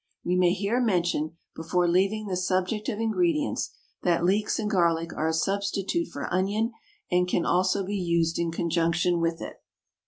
We may here mention, before leaving the subject of ingredients, that leeks and garlic are a substitute for onion, and can also be used in conjunction with it.